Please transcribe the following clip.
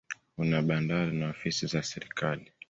Kuna bandari na ofisi za serikali.